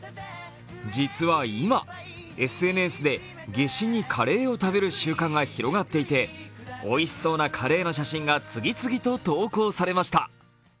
実は今、ＳＮＳで夏至にカレーを食べる習慣が広がっていて、おいしそうなカレーの写真が次々と投稿されました。